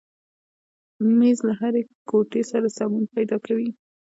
مېز له هرې کوټې سره سمون پیدا کوي.